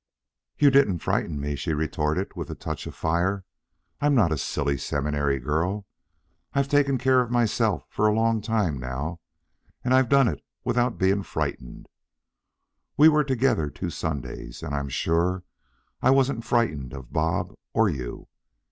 "You didn't frighten me," she retorted, with a touch of fire. "I'm not a silly seminary girl. I've taken care of myself for a long time now, and I've done it without being frightened. We were together two Sundays, and I'm sure I wasn't frightened of Bob, or you.